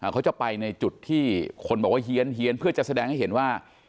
เขาจะไปในจุดที่คนบอกว่าเฮียนเพื่อจะแสดงให้เห็นว่า